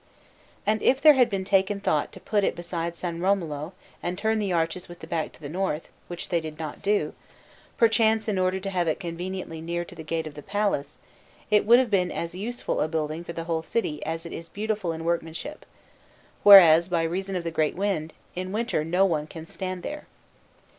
And if there had been taken thought to put it beside S. Romolo and to turn the arches with the back to the north, which they did not do, perchance, in order to have it conveniently near to the gate of the Palace, it would have been as useful a building for the whole city as it is beautiful in workmanship; whereas, by reason of the great wind, in winter no one can stand there.